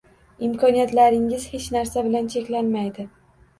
Imkoniyatlaringiz hech narsa bilan cheklanmaydi